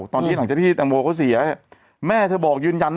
ตอนนี้หลังจากที่แตงโมเขาเสียแม่เธอบอกยืนยัน